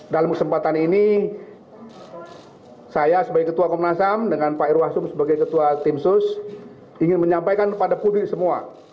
dalam kesempatan ini saya sebagai ketua komnas ham dengan pak irwasum sebagai ketua tim sus ingin menyampaikan kepada publik semua